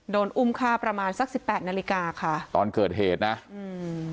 โดนอุ้มฆ่าประมาณสักสิบแปดนาฬิกาค่ะตอนเกิดเหตุนะอืม